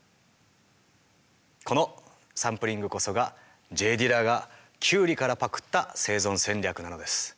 このサンプリングこそがＪ・ディラがキュウリからパクった生存戦略なのです。